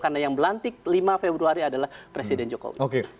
karena yang berlantik lima februari adalah presiden jokowi